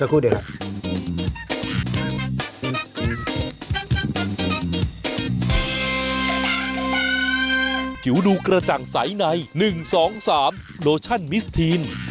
สักครู่ดี